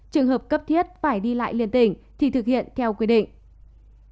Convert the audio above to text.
trường hợp cấp thiết phải đi lại liên tỉnh thì thực hiện theo quy định